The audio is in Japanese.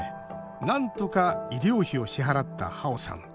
なんとか医療費を支払ったハオさん。